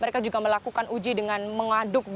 mereka juga melakukan uji dengan mengaduk